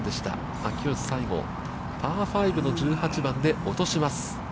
秋吉、最後、パー５の１８番で落とします。